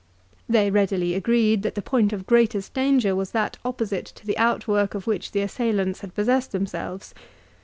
They readily agreed that the point of greatest danger was that opposite to the outwork of which the assailants had possessed themselves.